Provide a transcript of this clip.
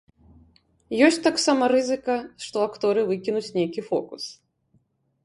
Ёсць таксама рызыка, што акторы выкінуць нейкі фокус.